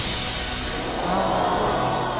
ああ。